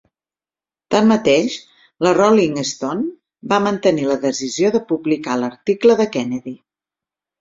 Tanmateix, la "Rolling Stone" va mantenir la decisió de publicar l'article de Kennedy.